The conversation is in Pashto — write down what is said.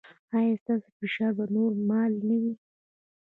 ایا ستاسو فشار به نورمال نه وي؟